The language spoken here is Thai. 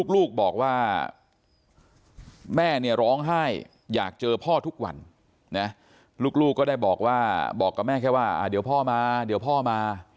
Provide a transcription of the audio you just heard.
ลูกบอกว่าแม่เนี่ยร้องไห้อยากเจอพ่อทุกวันนะลูกก็ได้บอกว่าบอกกับแม่แค่ว่าเดี๋ยวพ่อมาเดี๋ยวพ่อมา